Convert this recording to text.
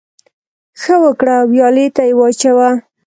ـ ښه وکړه ، ويالې ته يې واچوه.